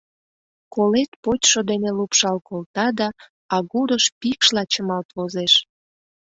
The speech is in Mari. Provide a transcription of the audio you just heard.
Колет почшо дене лупшал колта да агурыш пикшла чымалт возеш.